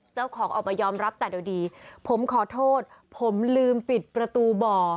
เจ้าของออกมายอมรับแต่โดยดีผมขอโทษผมลืมปิดประตูบ่อ